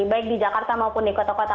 baik di jakarta maupun di kota kota